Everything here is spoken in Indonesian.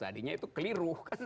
tadinya itu keliru